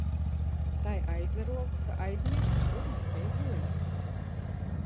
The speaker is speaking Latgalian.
Tai aizaruovu, ka aizmiersu, kur maņ beja juoīt.